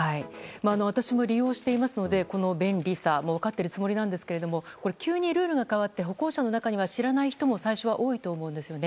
私も利用していますので便利さを分かっているつもりですが急にルールが変わって歩行者の中でも最初は多いと思うんですよね。